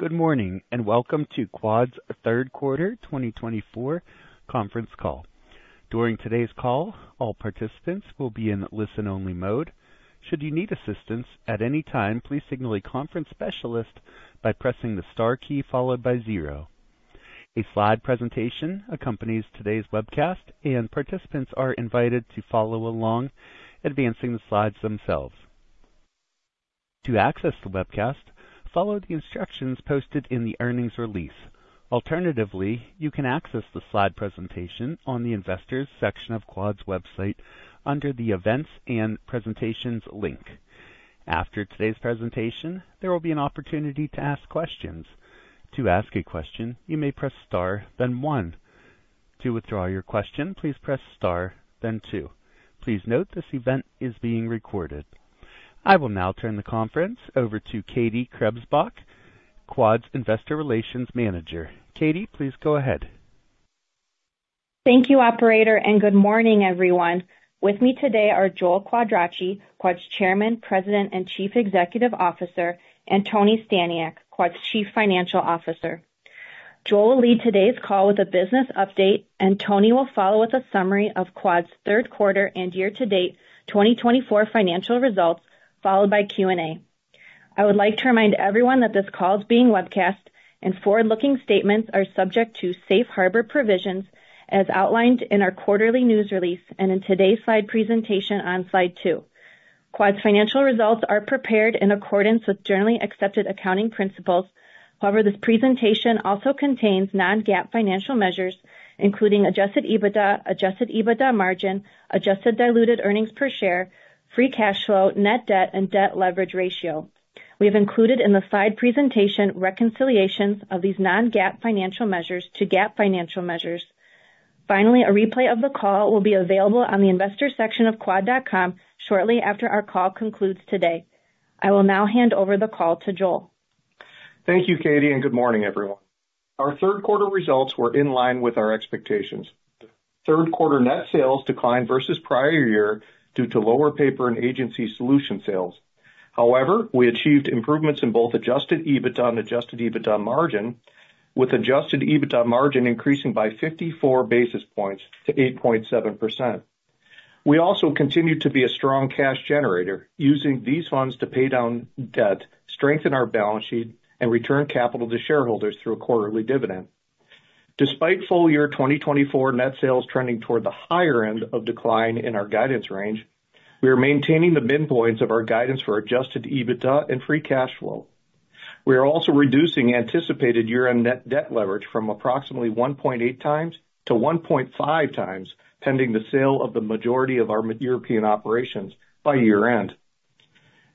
Good morning and welcome to Quad's Third Quarter 2024 Conference Call. During today's call, all participants will be in listen-only mode. Should you need assistance at any time, please signal a conference specialist by pressing the star key followed by zero. A slide presentation accompanies today's webcast, and participants are invited to follow along, advancing the slides themselves. To access the webcast, follow the instructions posted in the earnings release. Alternatively, you can access the slide presentation on the investors' section of Quad's website under the events and presentations link. After today's presentation, there will be an opportunity to ask questions. To ask a question, you may press star, then one. To withdraw your question, please press star, then two. Please note this event is being recorded. I will now turn the conference over to Katie Krebsbach, Quad's Investor Relations Manager. Katie, please go ahead. Thank you, Operator, and good morning, everyone. With me today are Joel Quadracci, Quad's Chairman, President, and Chief Executive Officer, and Tony Staniak, Quad's Chief Financial Officer. Joel will lead today's call with a business update, and Tony will follow with a summary of Quad's third quarter and year-to-date 2024 financial results, followed by Q&A. I would like to remind everyone that this call is being webcast, and forward-looking statements are subject to safe harbor provisions as outlined in our quarterly news release and in today's slide presentation on slide two. Quad's financial results are prepared in accordance with generally accepted accounting principles. However, this presentation also contains non-GAAP financial measures, including adjusted EBITDA, adjusted EBITDA margin, adjusted diluted earnings per share, free cash flow, net debt, and debt leverage ratio. We have included in the slide presentation reconciliations of these non-GAAP financial measures to GAAP financial measures. Finally, a replay of the call will be available on the investor section of quad.com shortly after our call concludes today. I will now hand over the call to Joel. Thank you, Katie, and good morning, everyone. Our third quarter results were in line with our expectations. Third quarter net sales declined versus prior year due to lower paper and agency solution sales. However, we achieved improvements in both Adjusted EBITDA and Adjusted EBITDA margin, with Adjusted EBITDA margin increasing by 54 basis points to 8.7%. We also continue to be a strong cash generator, using these funds to pay down debt, strengthen our balance sheet, and return capital to shareholders through a quarterly dividend. Despite full year 2024 net sales trending toward the higher end of decline in our guidance range, we are maintaining the midpoints of our guidance for Adjusted EBITDA and Free Cash Flow. We are also reducing anticipated year-end net debt leverage from approximately 1.8 times to 1.5 times, pending the sale of the majority of our European operations by year-end.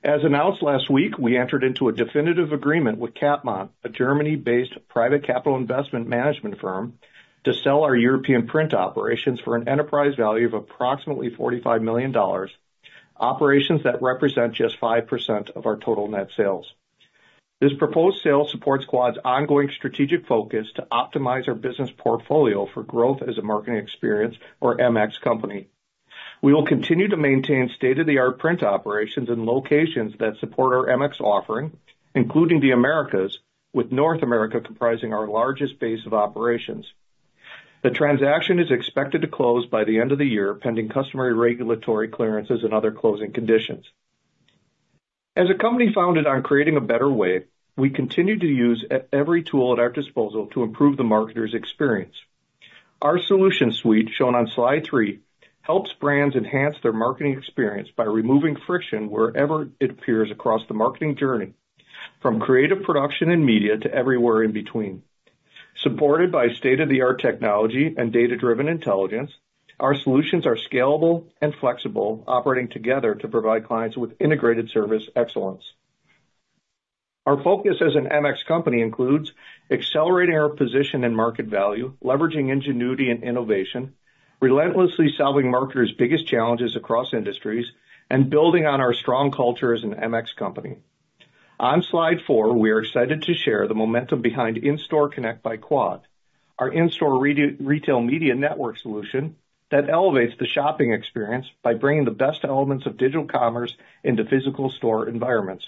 As announced last week, we entered into a definitive agreement with Capmont, a Germany-based private capital investment management firm, to sell our European print operations for an enterprise value of approximately $45 million, operations that represent just 5% of our total net sales. This proposed sale supports Quad's ongoing strategic focus to optimize our business portfolio for growth as a marketing experience, or MX company. We will continue to maintain state-of-the-art print operations in locations that support our MX offering, including the Americas, with North America comprising our largest base of operations. The transaction is expected to close by the end of the year, pending customary regulatory clearances and other closing conditions. As a company founded on creating a better way, we continue to use every tool at our disposal to improve the marketers' experience. Our solution suite, shown on slide three, helps brands enhance their marketing experience by removing friction wherever it appears across the marketing journey, from creative production and media to everywhere in between. Supported by state-of-the-art technology and data-driven intelligence, our solutions are scalable and flexible, operating together to provide clients with integrated service excellence. Our focus as an MX company includes accelerating our position in market value, leveraging ingenuity and innovation, relentlessly solving marketers' biggest challenges across industries, and building on our strong culture as an MX company. On slide four, we are excited to share the momentum behind In-Store Connect by Quad, our in-store retail media network solution that elevates the shopping experience by bringing the best elements of digital commerce into physical store environments.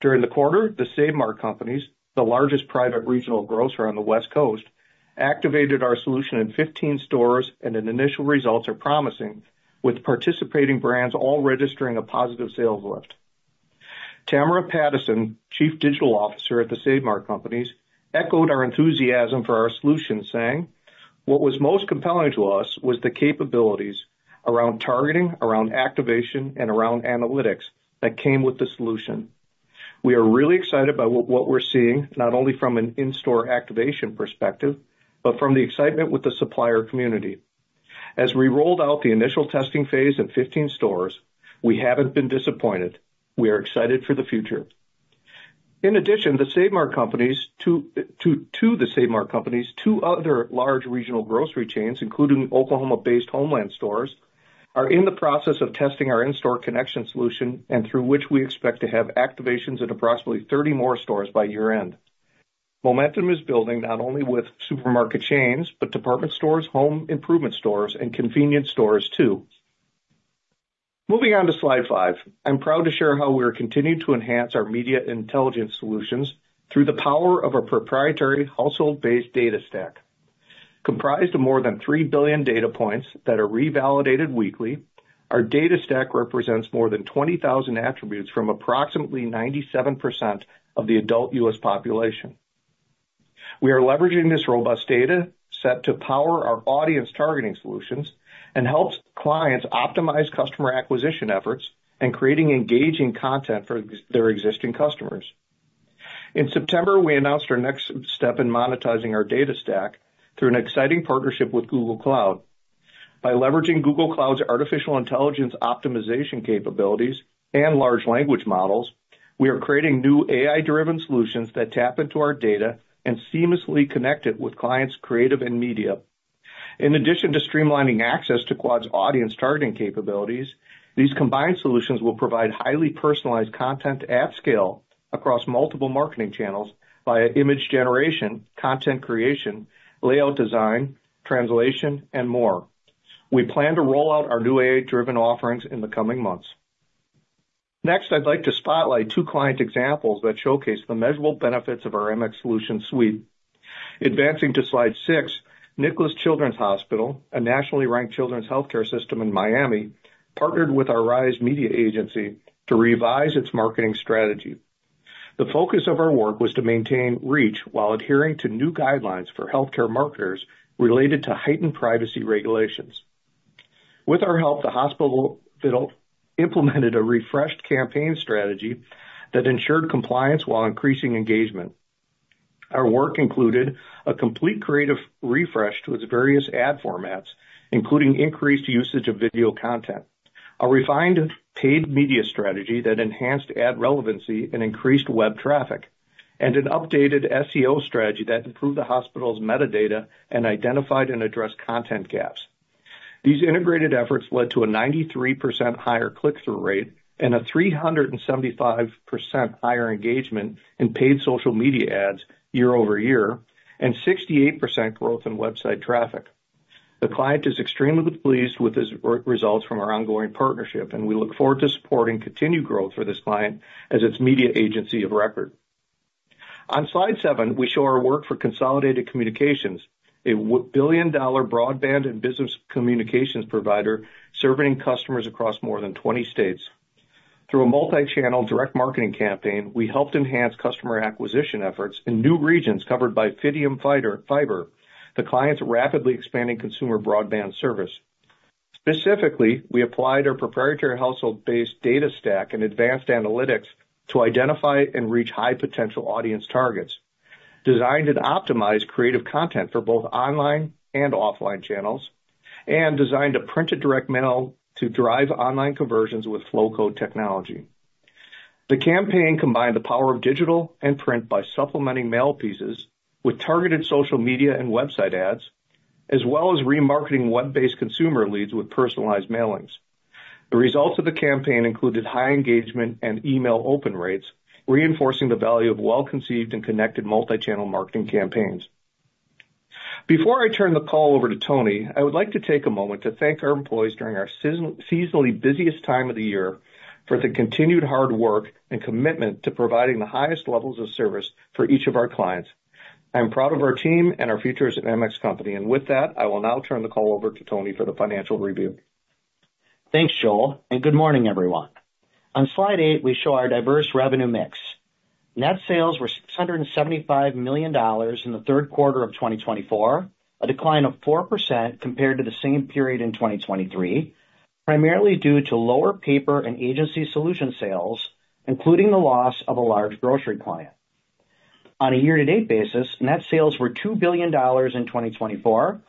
During the quarter, the Save Mart Companies, the largest private regional grocer on the West Coast, activated our solution in 15 stores, and initial results are promising, with participating brands all registering a positive sales lift. Tamara Pattison, Chief Digital Officer at the Save Mart Companies, echoed our enthusiasm for our solution, saying, "What was most compelling to us was the capabilities around targeting, around activation, and around analytics that came with the solution. We are really excited by what we're seeing, not only from an in-store activation perspective, but from the excitement with the supplier community. As we rolled out the initial testing phase in 15 stores, we haven't been disappointed. We are excited for the future." In addition, the Save Mart Companies, two other large regional grocery chains, including Oklahoma-based Homeland Stores, are in the process of testing our in-store connection solution, and through which we expect to have activations at approximately 30 more stores by year-end. Momentum is building not only with supermarket chains, but department stores, home improvement stores, and convenience stores too. Moving on to slide five, I'm proud to share how we are continuing to enhance our media intelligence solutions through the power of a proprietary household-based data stack. Comprised of more than 3 billion data points that are revalidated weekly, our data stack represents more than 20,000 attributes from approximately 97% of the adult U.S. population. We are leveraging this robust data set to power our audience targeting solutions and help clients optimize customer acquisition efforts and create engaging content for their existing customers. In September, we announced our next step in monetizing our data stack through an exciting partnership with Google Cloud. By leveraging Google Cloud's artificial intelligence optimization capabilities and large language models, we are creating new AI-driven solutions that tap into our data and seamlessly connect it with clients' creative and media. In addition to streamlining access to Quad's audience targeting capabilities, these combined solutions will provide highly personalized content at scale across multiple marketing channels via image generation, content creation, layout design, translation, and more. We plan to roll out our new AI-driven offerings in the coming months. Next, I'd like to spotlight two client examples that showcase the measurable benefits of our MX solution suite. Advancing to slide six, Nicklaus Children's Hospital, a nationally ranked children's healthcare system in Miami, partnered with our Rise media agency to revise its marketing strategy. The focus of our work was to maintain reach while adhering to new guidelines for healthcare marketers related to heightened privacy regulations. With our help, the hospital implemented a refreshed campaign strategy that ensured compliance while increasing engagement. Our work included a complete creative refresh to its various ad formats, including increased usage of video content, a refined paid media strategy that enhanced ad relevancy and increased web traffic, and an updated SEO strategy that improved the hospital's metadata and identified and addressed content gaps. These integrated efforts led to a 93% higher click-through rate and a 375% higher engagement in paid social media ads year over year, and 68% growth in website traffic. The client is extremely pleased with his results from our ongoing partnership, and we look forward to supporting continued growth for this client as its media agency of record. On slide seven, we show our work for Consolidated Communications, a billion-dollar broadband and business communications provider serving customers across more than 20 states. Through a multi-channel direct marketing campaign, we helped enhance customer acquisition efforts in new regions covered by Fidium Fiber, the client's rapidly expanding consumer broadband service. Specifically, we applied our proprietary Household-Based Data Stack and advanced analytics to identify and reach high-potential audience targets, designed to optimize creative content for both online and offline channels, and designed a printed direct mail to drive online conversions with Flowcode technology. The campaign combined the power of digital and print by supplementing mail pieces with targeted social media and website ads, as well as remarketing web-based consumer leads with personalized mailings. The results of the campaign included high engagement and email open rates, reinforcing the value of well-conceived and connected multi-channel marketing campaigns. Before I turn the call over to Tony, I would like to take a moment to thank our employees during our seasonally busiest time of the year for the continued hard work and commitment to providing the highest levels of service for each of our clients. I'm proud of our team and our future as an MX Company. And with that, I will now turn the call over to Tony for the financial review. Thanks, Joel, and good morning, everyone. On slide eight, we show our diverse revenue mix. Net sales were $675 million in the third quarter of 2024, a decline of 4% compared to the same period in 2023, primarily due to lower paper and agency solution sales, including the loss of a large grocery client. On a year-to-date basis, net sales were $2 billion in 2024,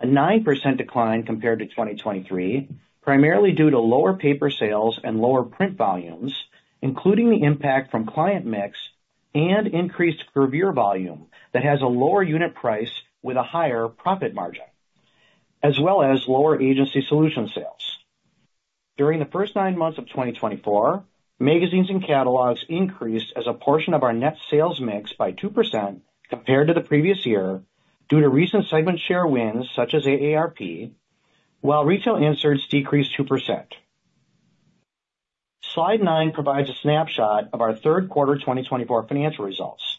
a 9% decline compared to 2023, primarily due to lower paper sales and lower print volumes, including the impact from client mix and increased gravure volume that has a lower unit price with a higher profit margin, as well as lower agency solution sales. During the first nine months of 2024, magazines and catalogs increased as a portion of our net sales mix by 2% compared to the previous year due to recent segment share wins such as AARP, while retail inserts decreased 2%. Slide nine provides a snapshot of our third quarter 2024 financial results.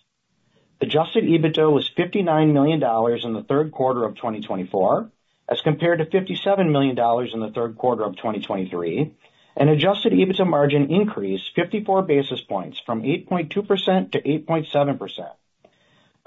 Adjusted EBITDA was $59 million in the third quarter of 2024, as compared to $57 million in the third quarter of 2023, and adjusted EBITDA margin increased 54 basis points from 8.2% to 8.7%.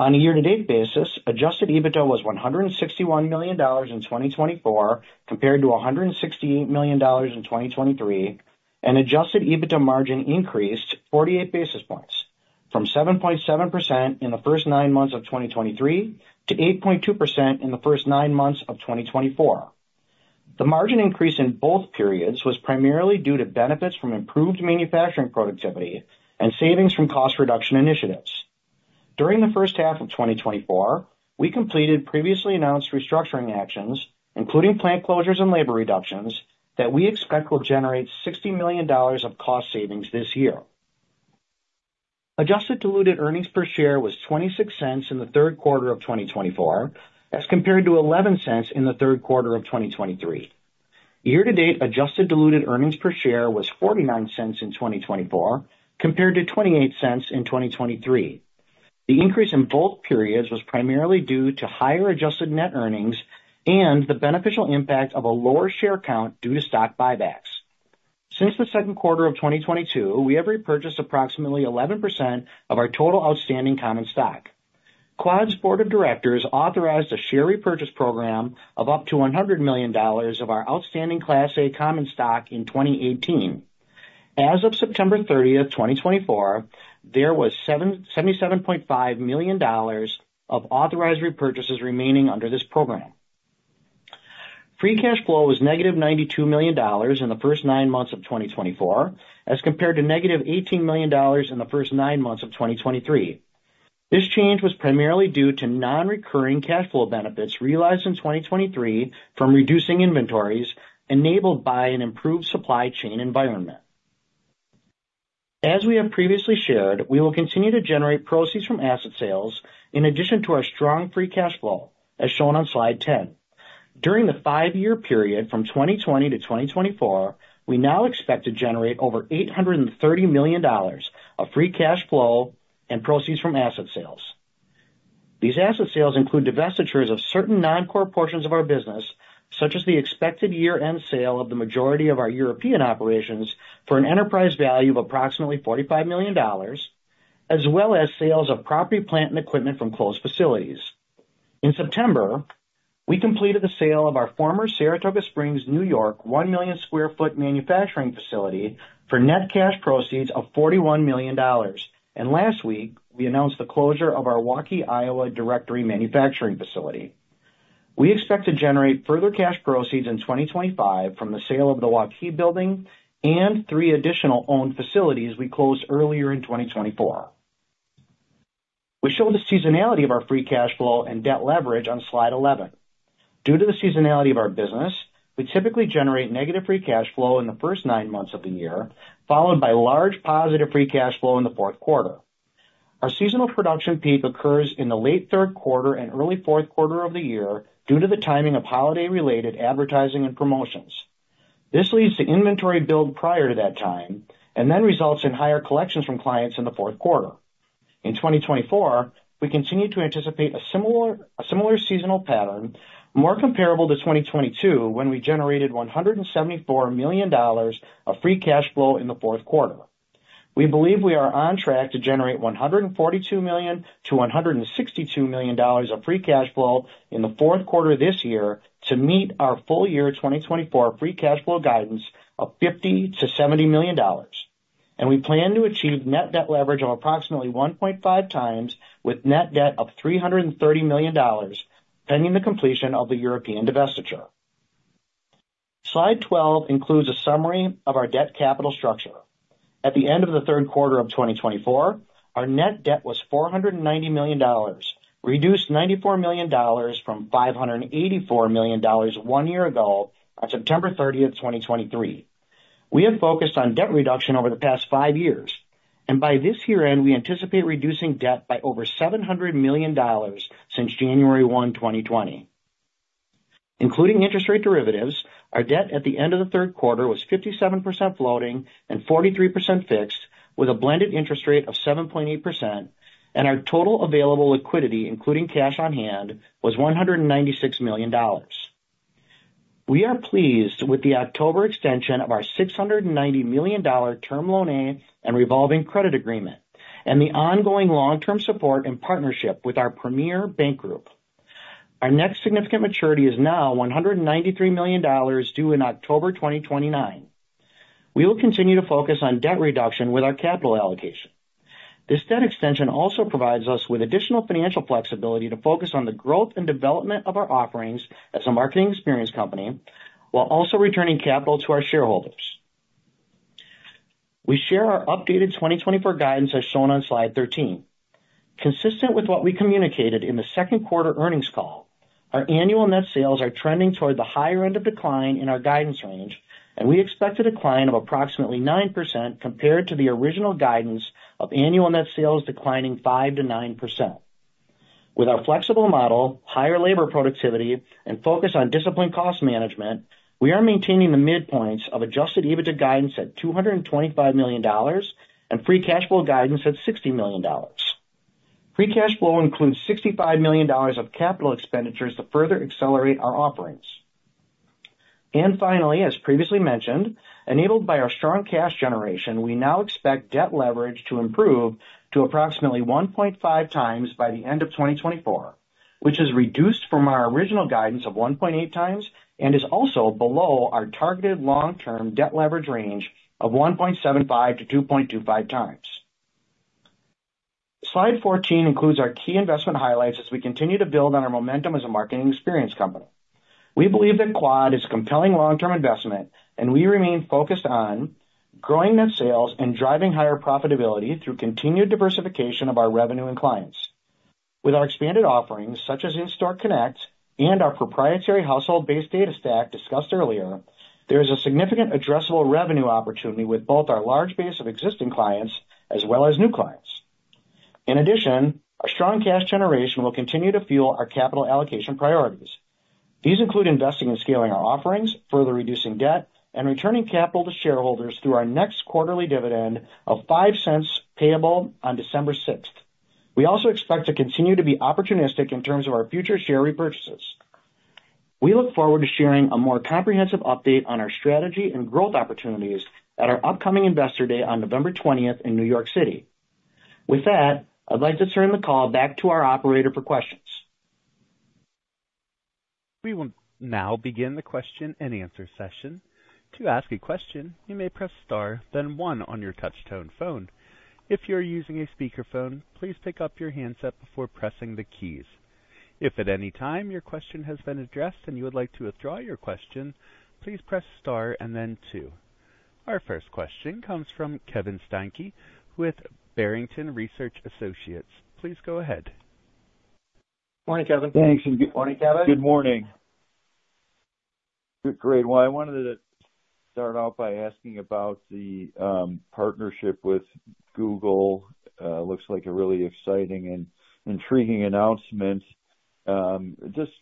On a year-to-date basis, adjusted EBITDA was $161 million in 2024 compared to $168 million in 2023, and adjusted EBITDA margin increased 48 basis points from 7.7% in the first nine months of 2023 to 8.2% in the first nine months of 2024. The margin increase in both periods was primarily due to benefits from improved manufacturing productivity and savings from cost reduction initiatives. During the first half of 2024, we completed previously announced restructuring actions, including plant closures and labor reductions, that we expect will generate $60 million of cost savings this year. Adjusted Diluted Earnings Per Share was $0.26 in the third quarter of 2024, as compared to $0.11 in the third quarter of 2023. Year-to-date, Adjusted Diluted Earnings Per Share was $0.49 in 2024, compared to $0.28 in 2023. The increase in both periods was primarily due to higher adjusted net earnings and the beneficial impact of a lower share count due to stock buybacks. Since the second quarter of 2022, we have repurchased approximately 11% of our total outstanding common stock. Quad's board of directors authorized a share repurchase program of up to $100 million of our outstanding Class A common stock in 2018. As of September 30, 2024, there was $77.5 million of authorized repurchases remaining under this program. Free Cash Flow was negative $92 million in the first nine months of 2024, as compared to negative $18 million in the first nine months of 2023. This change was primarily due to non-recurring cash flow benefits realized in 2023 from reducing inventories enabled by an improved supply chain environment. As we have previously shared, we will continue to generate proceeds from asset sales in addition to our strong free cash flow, as shown on slide 10. During the five-year period from 2020-2024, we now expect to generate over $830 million of free cash flow and proceeds from asset sales. These asset sales include divestitures of certain non-core portions of our business, such as the expected year-end sale of the majority of our European operations for an enterprise value of approximately $45 million, as well as sales of property, plant, and equipment from closed facilities. In September, we completed the sale of our former Saratoga Springs, New York, 1 million sq ft manufacturing facility for net cash proceeds of $41 million. Last week, we announced the closure of our Waukee, Iowa, directory manufacturing facility. We expect to generate further cash proceeds in 2025 from the sale of the Waukee building and three additional owned facilities we closed earlier in 2024. We show the seasonality of our Free Cash Flow and debt leverage on slide 11. Due to the seasonality of our business, we typically generate negative Free Cash Flow in the first nine months of the year, followed by large positive Free Cash Flow in the fourth quarter. Our seasonal production peak occurs in the late third quarter and early fourth quarter of the year due to the timing of holiday-related advertising and promotions. This leads to inventory build prior to that time and then results in higher collections from clients in the fourth quarter. In 2024, we continue to anticipate a similar seasonal pattern, more comparable to 2022, when we generated $174 million of free cash flow in the fourth quarter. We believe we are on track to generate $142 million-$162 million of free cash flow in the fourth quarter this year to meet our full year 2024 free cash flow guidance of $50 million-$70 million. We plan to achieve net debt leverage of approximately 1.5 times with net debt of $330 million, pending the completion of the European divestiture. Slide 12 includes a summary of our debt capital structure. At the end of the third quarter of 2024, our net debt was $490 million, reduced $94 million from $584 million one year ago on September 30, 2023. We have focused on debt reduction over the past five years, and by this year-end, we anticipate reducing debt by over $700 million since January 1, 2020. Including interest rate derivatives, our debt at the end of the third quarter was 57% floating and 43% fixed, with a blended interest rate of 7.8%, and our total available liquidity, including cash on hand, was $196 million. We are pleased with the October extension of our $690 million term loan and revolving credit agreement and the ongoing long-term support and partnership with our premier bank group. Our next significant maturity is now $193 million due in October 2029. We will continue to focus on debt reduction with our capital allocation. This debt extension also provides us with additional financial flexibility to focus on the growth and development of our offerings as a marketing experience company while also returning capital to our shareholders. We share our updated 2024 guidance as shown on slide 13. Consistent with what we communicated in the second quarter earnings call, our annual net sales are trending toward the higher end of decline in our guidance range, and we expect a decline of approximately 9% compared to the original guidance of annual net sales declining 5%-9%. With our flexible model, higher labor productivity, and focus on disciplined cost management, we are maintaining the midpoints of Adjusted EBITDA guidance at $225 million and Free Cash Flow guidance at $60 million. Free Cash Flow includes $65 million of capital expenditures to further accelerate our offerings. Finally, as previously mentioned, enabled by our strong cash generation, we now expect debt leverage to improve to approximately 1.5 times by the end of 2024, which is reduced from our original guidance of 1.8 times and is also below our targeted long-term debt leverage range of 1.75-2.25 times. Slide 14 includes our key investment highlights as we continue to build on our momentum as a marketing experience company. We believe that Quad is a compelling long-term investment, and we remain focused on growing net sales and driving higher profitability through continued diversification of our revenue and clients. With our expanded offerings, such as In-Store Connect and our proprietary household-based data stack discussed earlier, there is a significant addressable revenue opportunity with both our large base of existing clients as well as new clients. In addition, our strong cash generation will continue to fuel our capital allocation priorities. These include investing in scaling our offerings, further reducing debt, and returning capital to shareholders through our next quarterly dividend of $0.05 payable on December 6th. We also expect to continue to be opportunistic in terms of our future share repurchases. We look forward to sharing a more comprehensive update on our strategy and growth opportunities at our upcoming investor day on November 20 in New York City. With that, I'd like to turn the call back to our operator for questions. We will now begin the question and answer session. To ask a question, you may press star, then one on your touch-tone phone. If you're using a speakerphone, please pick up your handset before pressing the keys. If at any time your question has been addressed and you would like to withdraw your question, please press star and then two. Our first question comes from Kevin Steinke with Barrington Research Associates. Please go ahead. Good morning, Kevin. Thanks, and good morning, Kevin. Good morning. Great. Well, I wanted to start off by asking about the partnership with Google. Looks like a really exciting and intriguing announcement. Just,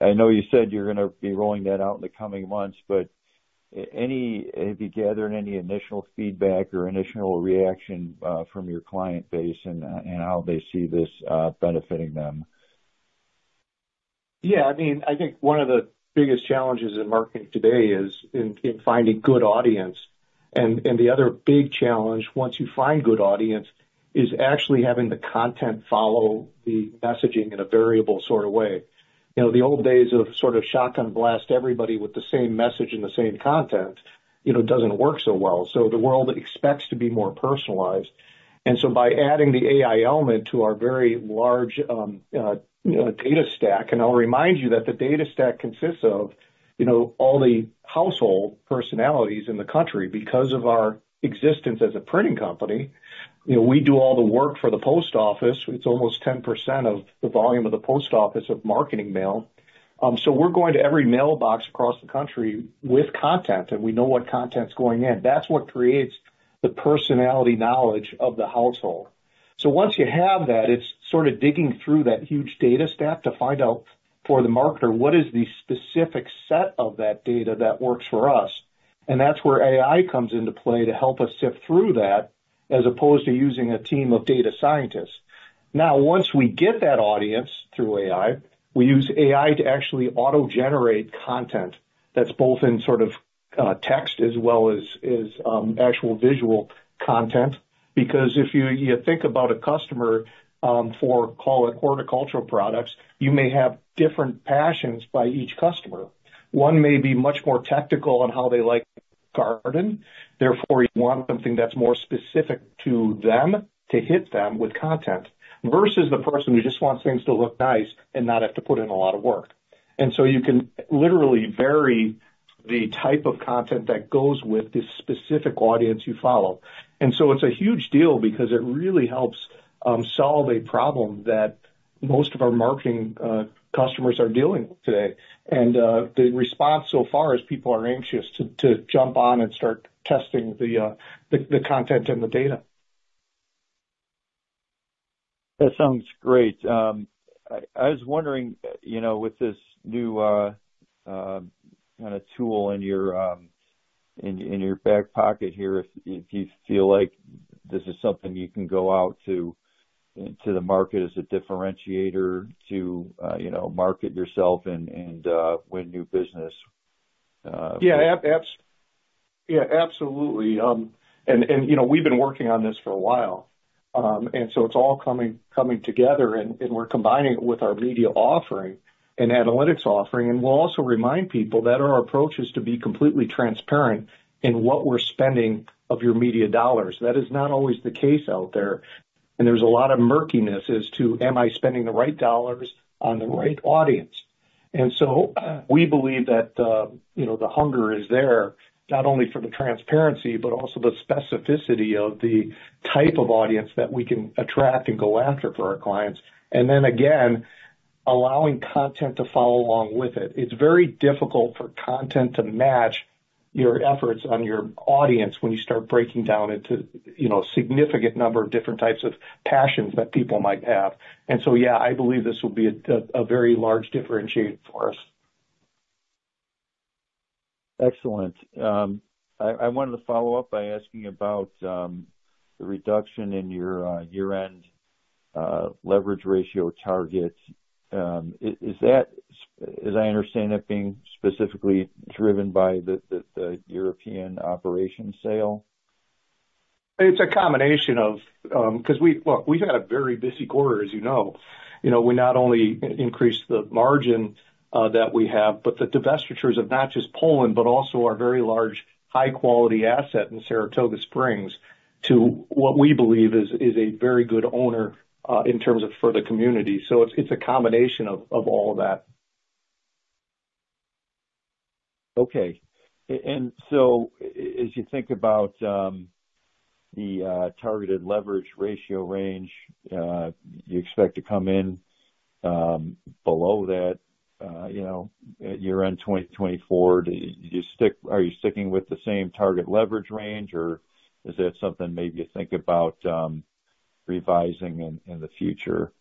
I know you said you're going to be rolling that out in the coming months, but have you gathered any initial feedback or initial reaction from your client base and how they see this benefiting them? Yeah. I mean, I think one of the biggest challenges in marketing today is in finding good audience, and the other big challenge, once you find good audience, is actually having the content follow the messaging in a variable sort of way. The old days of sort of shock and blast everybody with the same message and the same content doesn't work so well, so the world expects to be more personalized, and so by adding the AI element to our very large data stack, and I'll remind you that the data stack consists of all the household profiles in the country. Because of our existence as a printing company, we do all the work for the post office. It's almost 10% of the volume of the post office of marketing mail. So we're going to every mailbox across the country with content, and we know what content's going in. That's what creates the personality knowledge of the household, so once you have that, it's sort of digging through that huge data stack to find out for the marketer, what is the specific set of that data that works for us, and that's where AI comes into play to help us sift through that as opposed to using a team of data scientists. Now, once we get that audience through AI, we use AI to actually auto-generate content that's both in sort of text as well as actual visual content. Because if you think about a customer for, call it, horticultural products, you may have different passions by each customer. One may be much more technical on how they like garden. Therefore, you want something that's more specific to them to hit them with content versus the person who just wants things to look nice and not have to put in a lot of work, and so you can literally vary the type of content that goes with this specific audience you follow, and so it's a huge deal because it really helps solve a problem that most of our marketing customers are dealing with today, and the response so far is people are anxious to jump on and start testing the content and the data. That sounds great. I was wondering, with this new kind of tool in your back pocket here, if you feel like this is something you can go out to the market as a differentiator to market yourself and win new business. Yeah. Absolutely. And we've been working on this for a while. And so it's all coming together, and we're combining it with our media offering and analytics offering. And we'll also remind people that our approach is to be completely transparent in what we're spending of your media dollars. That is not always the case out there. And there's a lot of murkiness as to, am I spending the right dollars on the right audience? And so we believe that the hunger is there, not only for the transparency, but also the specificity of the type of audience that we can attract and go after for our clients. And then again, allowing content to follow along with it. It's very difficult for content to match your efforts on your audience when you start breaking down into a significant number of different types of passions that people might have. Yeah, I believe this will be a very large differentiator for us. Excellent. I wanted to follow up by asking about the reduction in your year-end leverage ratio target. Is that, as I understand it, being specifically driven by the European operation sale? It's a combination of, because we've had a very busy quarter, as you know. We not only increased the margin that we have, but the divestitures of not just Poland, but also our very large high-quality asset in Saratoga Springs to what we believe is a very good owner in terms of for the community. So it's a combination of all of that. Okay. And so as you think about the targeted leverage ratio range, you expect to come in below that year-end 2024. Are you sticking with the same target leverage ratio range, or is that something maybe you think about revising in the future?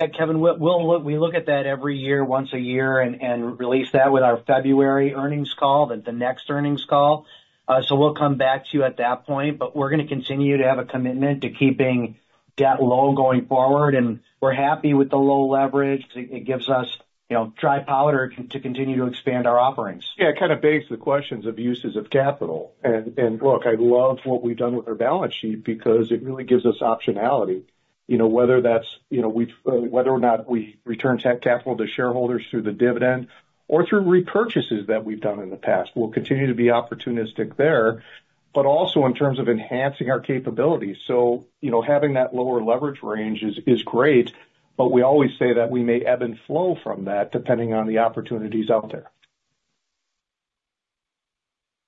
Yeah, Kevin, we look at that every year, once a year, and release that with our February earnings call, the next earnings call. So we'll come back to you at that point, but we're going to continue to have a commitment to keeping debt low going forward. And we're happy with the low leverage. It gives us dry powder to continue to expand our offerings. Yeah, it kind of begs the questions of uses of capital. Look, I love what we've done with our balance sheet because it really gives us optionality, whether that's or not we return that capital to shareholders through the dividend or through repurchases that we've done in the past. We'll continue to be opportunistic there, but also in terms of enhancing our capabilities. So having that lower leverage range is great, but we always say that we may ebb and flow from that depending on the opportunities out there.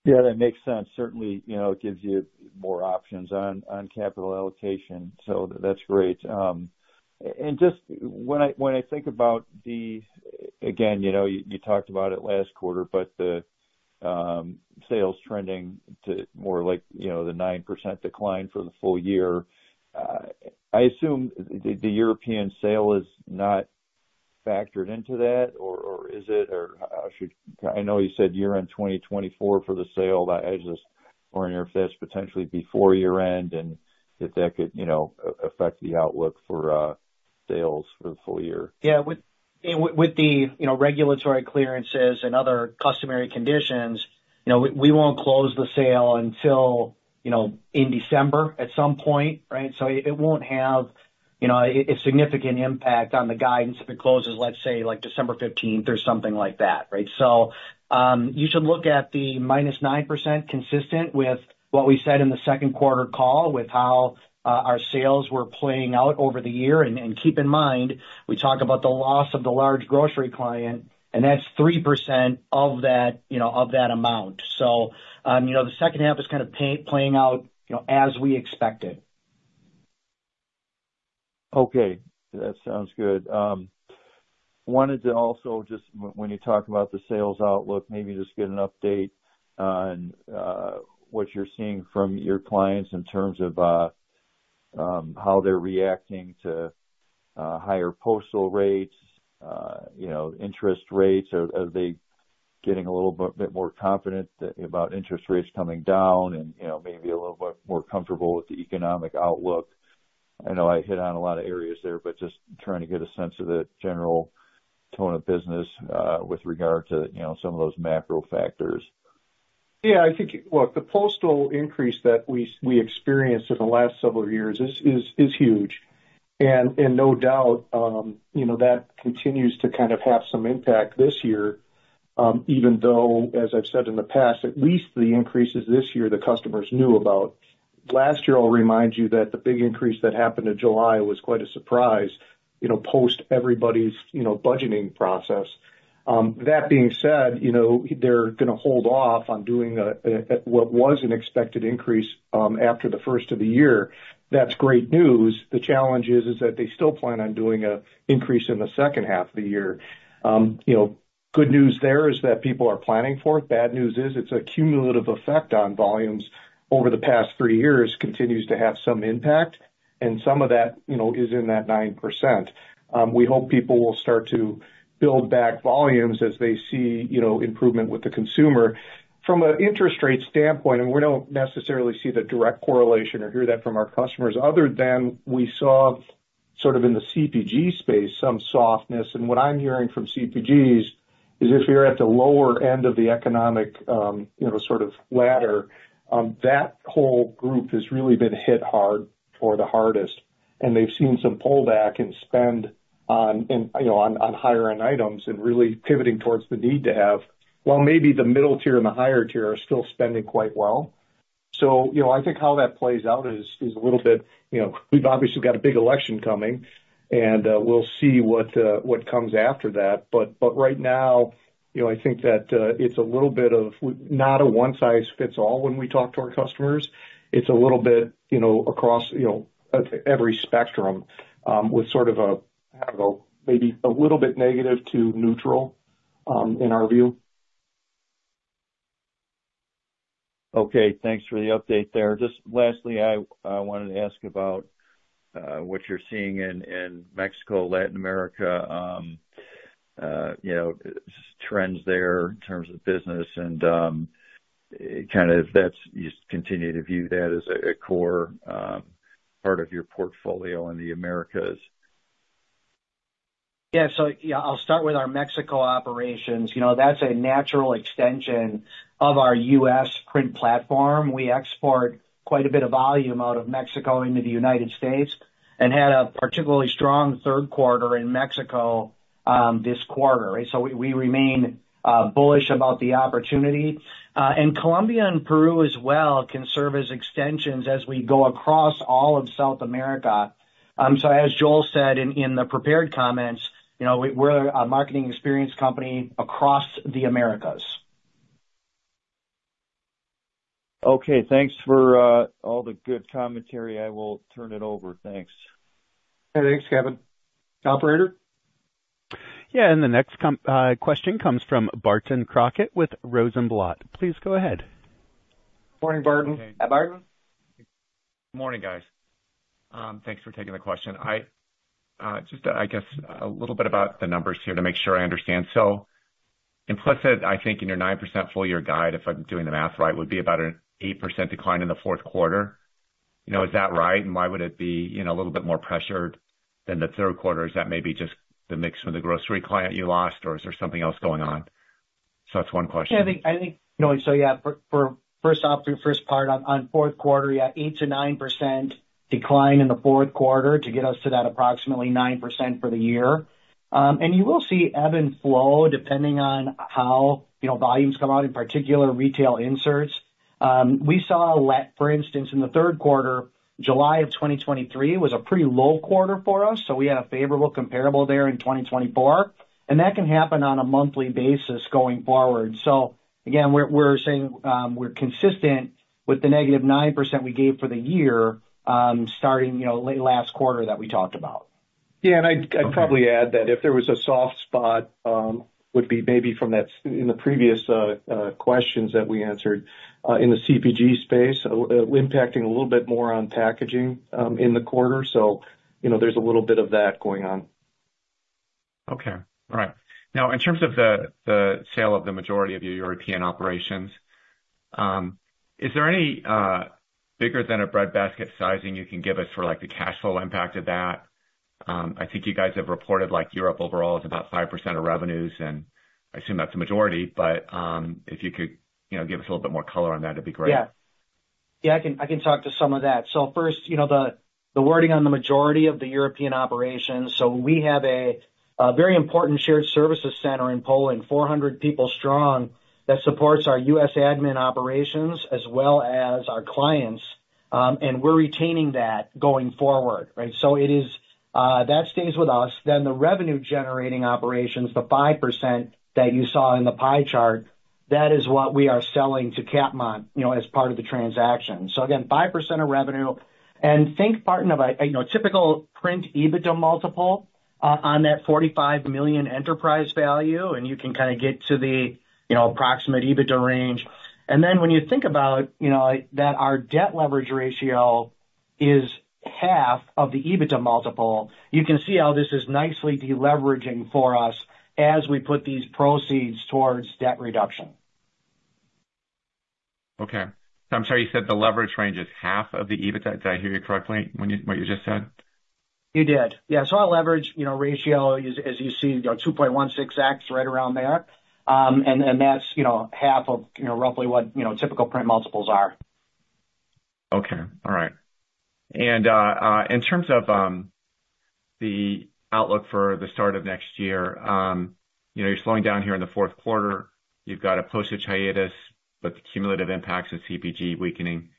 Yeah, that makes sense. Certainly, it gives you more options on capital allocation. So that's great. And just when I think about the, again, you talked about it last quarter, but the sales trending to more like the 9% decline for the full year. I assume the European sale is not factored into that, or is it? I know you said year-end 2024 for the sale. I just wonder if that's potentially before year-end and if that could affect the outlook for sales for the full year. Yeah. With the regulatory clearances and other customary conditions, we won't close the sale until in December at some point, right? So it won't have a significant impact on the guidance if it closes, let's say, December 15th or something like that, right? So you should look at the -9% consistent with what we said in the second quarter call with how our sales were playing out over the year. And keep in mind, we talk about the loss of the large grocery client, and that's 3% of that amount. So the second half is kind of playing out as we expected. Okay. That sounds good. Wanted to also just, when you talk about the sales outlook, maybe just get an update on what you're seeing from your clients in terms of how they're reacting to higher postal rates, interest rates. Are they getting a little bit more confident about interest rates coming down and maybe a little bit more comfortable with the economic outlook? I know I hit on a lot of areas there, but just trying to get a sense of the general tone of business with regard to some of those macro factors. Yeah. I think, look, the postal increase that we experienced in the last several years is huge. And no doubt that continues to kind of have some impact this year, even though, as I've said in the past, at least the increases this year the customers knew about. Last year, I'll remind you that the big increase that happened in July was quite a surprise post everybody's budgeting process. That being said, they're going to hold off on doing what was an expected increase after the first of the year. That's great news. The challenge is that they still plan on doing an increase in the second half of the year. Good news there is that people are planning for it. Bad news is it's a cumulative effect on volumes over the past three years continues to have some impact, and some of that is in that 9%. We hope people will start to build back volumes as they see improvement with the consumer. From an interest rate standpoint, and we don't necessarily see the direct correlation or hear that from our customers other than we saw sort of in the CPG space some softness. And what I'm hearing from CPGs is if you're at the lower end of the economic sort of ladder, that whole group has really been hit the hardest. And they've seen some pullback in spend on higher-end items and really pivoting towards the need to have, well, maybe the middle tier and the higher tier are still spending quite well. So I think how that plays out is a little bit. We've obviously got a big election coming, and we'll see what comes after that. But right now, I think that it's a little bit of not a one-size-fits-all when we talk to our customers. It's a little bit across every spectrum with sort of a, I don't know, maybe a little bit negative to neutral in our view. Okay. Thanks for the update there. Just lastly, I wanted to ask about what you're seeing in Mexico, Latin America, trends there in terms of business, and kind of you continue to view that as a core part of your portfolio in the Americas? Yeah. So I'll start with our Mexico operations. That's a natural extension of our U.S. print platform. We export quite a bit of volume out of Mexico into the United States and had a particularly strong third quarter in Mexico this quarter, right? So we remain bullish about the opportunity. And Colombia and Peru as well can serve as extensions as we go across all of South America. So as Joel said in the prepared comments, we're a marketing experience company across the Americas. Okay. Thanks for all the good commentary. I will turn it over. Thanks. Thanks, Kevin. Operator? Yeah. And the next question comes from Barton Crockett with Rosenblatt. Please go ahead. Morning, Barton. Hey, Barton. Good morning, guys. Thanks for taking the question. Just, I guess, a little bit about the numbers here to make sure I understand. So implicit, I guess, in your 9% full-year guide, if I'm doing the math right, would be about an 8% decline in the fourth quarter. Is that right? And why would it be a little bit more pressured than the third quarter? Is that maybe just the mix from the grocery client you lost, or is there something else going on? So that's one question. Yeah. I think, so yeah, for first part, on fourth quarter, yeah, 8-9% decline in the fourth quarter to get us to that approximately 9% for the year. And you will see ebb and flow depending on how volumes come out, in particular retail inserts. We saw, for instance, in the third quarter, July of 2023 was a pretty low quarter for us. So we had a favorable comparable there in 2024. And that can happen on a monthly basis going forward. So again, we're saying we're consistent with the negative 9% we gave for the year starting last quarter that we talked about. Yeah. And I'd probably add that if there was a soft spot, it would be maybe from that in the previous questions that we answered in the CPG space, impacting a little bit more on packaging in the quarter. So there's a little bit of that going on. Okay. All right. Now, in terms of the sale of the majority of your European operations, is there any better than a back-of-the-envelope sizing you can give us for the cash flow impact of that? I think you guys have reported Europe overall is about 5% of revenues, and I assume that's the majority. But if you could give us a little bit more color on that, it'd be great. Yeah. Yeah. I can talk to some of that. So first, the wording on the majority of the European operations. So we have a very important shared services center in Poland, 400 people strong, that supports our U.S. admin operations as well as our clients. We're retaining that going forward, right? So that stays with us. Then the revenue-generating operations, the 5% that you saw in the pie chart, that is what we are selling to Capmont as part of the transaction. So again, 5% of revenue. And think, partner, about a typical print EBITDA multiple on that $45 million enterprise value, and you can kind of get to the approximate EBITDA range. And then when you think about that our debt leverage ratio is half of the EBITDA multiple, you can see how this is nicely deleveraging for us as we put these proceeds towards debt reduction. Okay. So I'm sorry, you said the leverage range is half of the EBITDA. Did I hear you correctly in what you just said? You did. Yeah. So our leverage ratio, as you see, 2.16x, right around there. And then that's half of roughly what typical print multiples are. Okay. All right. And in terms of the outlook for the start of next year, you're slowing down here in the fourth quarter. You've got a postage hiatus, but the cumulative impacts of CPG weakening.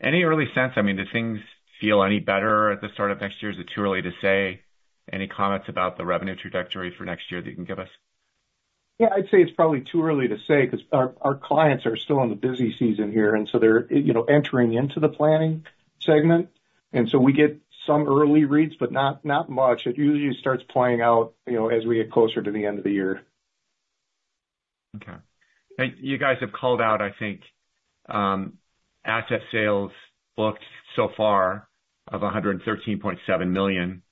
Any early sense? I mean, do things feel any better at the start of next year? Is it too early to say? Any comments about the revenue trajectory for next year that you can give us? Yeah. I'd say it's probably too early to say because our clients are still in the busy season here, and so they're entering into the planning segment, and so we get some early reads, but not much. It usually starts playing out as we get closer to the end of the year. Okay. You guys have called out, I think, asset sales booked so far of $113.7 million.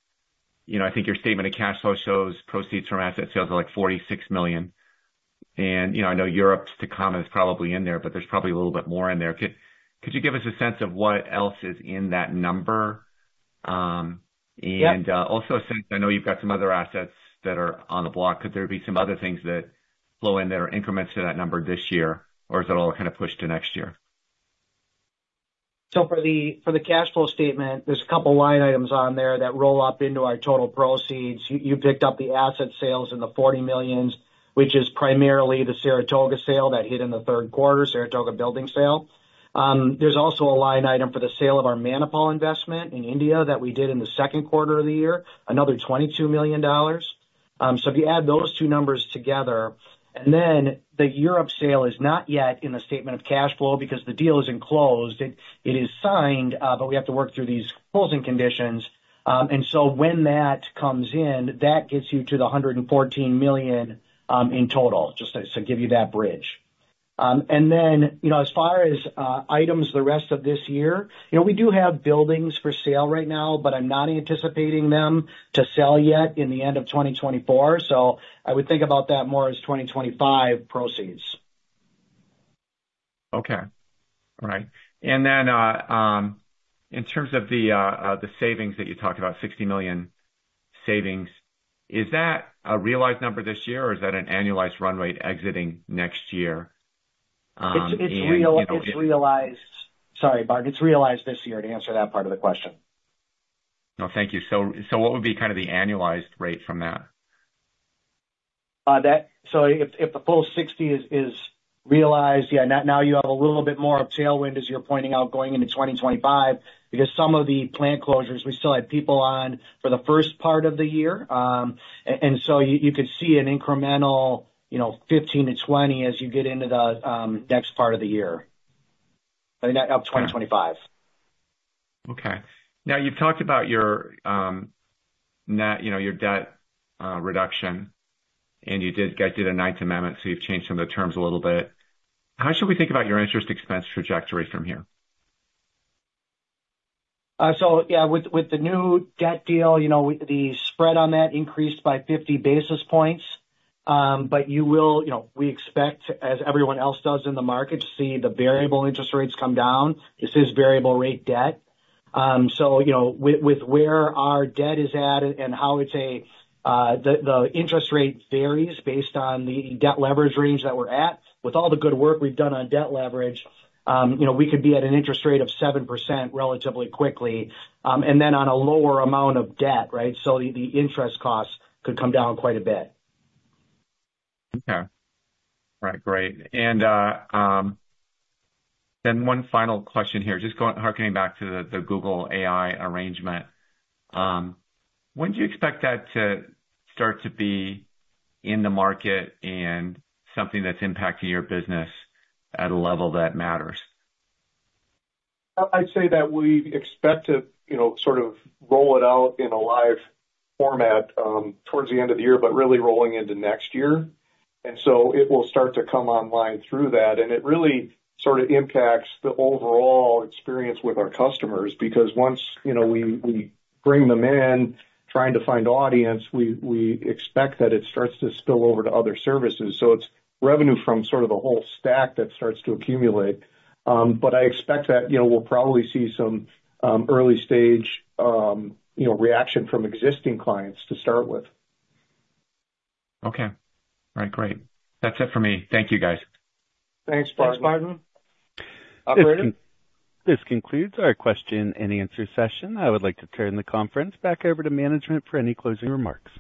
I think your statement of cash flow shows proceeds from asset sales are like $46 million. And I know Europe's to come is probably in there, but there's probably a little bit more in there. Could you give us a sense of what else is in that number? And also a sense, I know you've got some other assets that are on the block. Could there be some other things that flow in that are increments to that number this year, or is it all kind of pushed to next year? For the cash flow statement, there's a couple of line items on there that roll up into our total proceeds. You picked up the asset sales in the $40 million, which is primarily the Saratoga sale that hit in the third quarter, Saratoga building sale. There's also a line item for the sale of our Manipal investment in India that we did in the second quarter of the year, another $22 million. So if you add those two numbers together, and then the Europe sale is not yet in the statement of cash flow because the deal is not closed. It is signed, but we have to work through these closing conditions, and so when that comes in, that gets you to the $114 million in total, just to give you that bridge. And then as far as items the rest of this year, we do have buildings for sale right now, but I'm not anticipating them to sell yet in the end of 2024. So I would think about that more as 2025 proceeds. Okay. All right. And then in terms of the savings that you talked about, $60 million savings, is that a realized number this year, or is that an annualized run rate exiting next year? It's realized. Sorry, Bart. It's realized this year to answer that part of the question. No, thank you. So what would be kind of the annualized rate from that? So, if the full 60 is realized, yeah, now you have a little bit more of tailwind, as you're pointing out, going into 2025 because some of the plant closures, we still had people on for the first part of the year, and so you could see an incremental 15-20 as you get into the next part of the year of 2025. Okay. Now, you've talked about your debt reduction, and you did a ninth amendment, so you've changed some of the terms a little bit. How should we think about your interest expense trajectory from here? So yeah, with the new debt deal, the spread on that increased by 50 basis points. But we expect, as everyone else does in the market, to see the variable interest rates come down. This is variable-rate debt. So with where our debt is at and how the interest rate varies based on the debt leverage range that we're at, with all the good work we've done on debt leverage, we could be at an interest rate of 7% relatively quickly and then on a lower amount of debt, right? So the interest costs could come down quite a bit. Okay. All right. Great, and then one final question here, just harkening back to the Google AI arrangement. When do you expect that to start to be in the market and something that's impacting your business at a level that matters? I'd say that we expect to sort of roll it out in a live format toward the end of the year, but really rolling into next year. And so it will start to come online through that. And it really sort of impacts the overall experience with our customers because once we bring them in, trying to find audience, we expect that it starts to spill over to other services. So it's revenue from sort of the whole stack that starts to accumulate. But I expect that we'll probably see some early-stage reaction from existing clients to start with. Okay. All right. Great. That's it for me. Thank you, guys. Thanks, Barton. Thanks, Barton. This concludes our question and answer session. I would like to turn the conference back over to management for any closing remarks.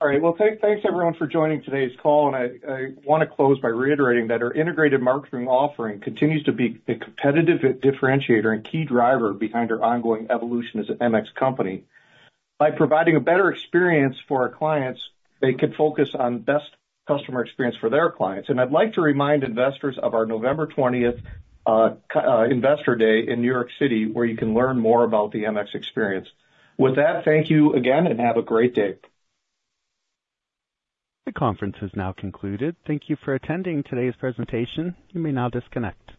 All right. Well, thanks, everyone, for joining today's call. And I want to close by reiterating that our integrated marketing offering continues to be a competitive differentiator and key driver behind our ongoing evolution as an MX company. By providing a better experience for our clients, they could focus on best customer experience for their clients. And I'd like to remind investors of our November 20th Investor Day in New York City, where you can learn more about the MX experience. With that, thank you again, and have a great day. The conference has now concluded. Thank you for attending today's presentation. You may now disconnect.